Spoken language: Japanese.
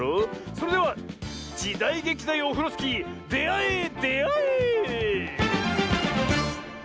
それでは「じだいげきだよオフロスキー」であえであえ！